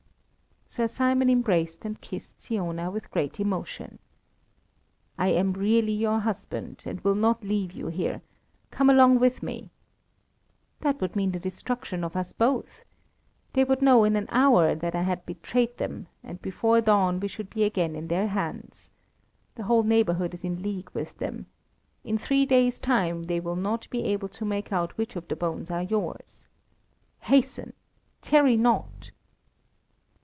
Sir Simon embraced and kissed Siona with great emotion. "I am really your husband, and will not leave you here; come along with me!" "That would mean the destruction of us both. They would know in an hour that I had betrayed them, and before dawn we should be again in their hands. The whole neighbourhood is in league with them. In three days' time they will not be able to make out which of the bones are yours. Hasten! Tarry not!"